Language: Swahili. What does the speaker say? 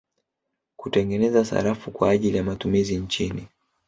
Kutengeneza sarafu kwa ajili ya matumizi nchini